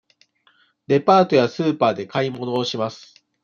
デパートやスーパーで買い物をします。